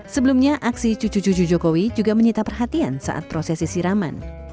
sebelumnya aksi cucu cucu jokowi juga menyita perhatian saat prosesi siraman